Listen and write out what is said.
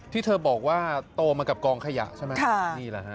ที่เธอบอกว่าโตมากับกองขยะใช่ไหมนี่แหละฮะ